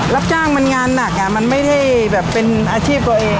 รับจ้างมันงานหนักมันไม่ได้แบบเป็นอาชีพตัวเอง